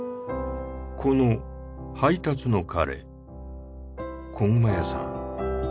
この配達の彼こぐま屋さん。